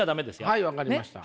はい分かりました。